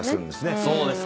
「そうですね」